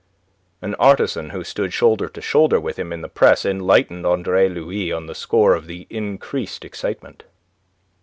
An artisan who stood shoulder to shoulder with him in the press enlightened Andre Louis on the score of the increased excitement.